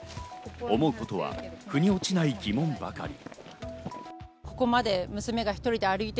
思うことは腑に落ちない疑問ばかり。